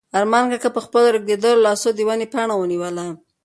ارمان کاکا په خپلو رېږدېدلو لاسو د ونې پاڼه ونیوله.